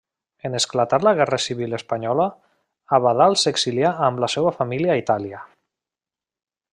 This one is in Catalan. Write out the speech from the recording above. En esclatar la guerra civil espanyola, Abadal s'exilià amb la seva família a Itàlia.